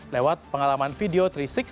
lewat pengalaman video tiga ratus enam